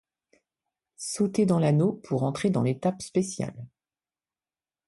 Sautez dans l'Anneau pour entrer dans l'étape spéciale.